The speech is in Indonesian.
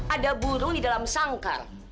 ada burung di dalam sangkar